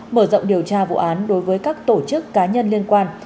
mở rộng điều tra vụ án đối với các tổ chức cá nhân liên quan